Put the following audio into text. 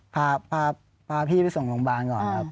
พาพี่ไปส่งโรงพยาบาลก่อนครับ